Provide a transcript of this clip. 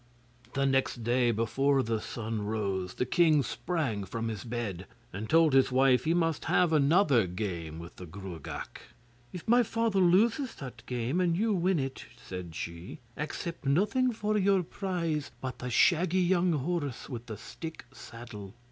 The next day, before the sun rose, the king sprang from his bed, and told his wife he must have another game with the Gruagach. 'If my father loses that game, and you win it,' said she, 'accept nothing for your prize but the shaggy young horse with the stick saddle.